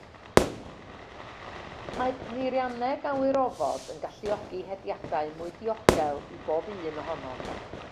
Mae peirianneg awyrofod yn galluogi hediadau mwy diogel i bob un ohonom.